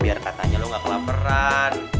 biar katanya lu gak kelaparan